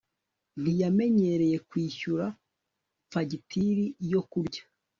ntiyanyemereye kwishyura fagitire yo kurya